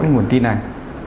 nguồn tin này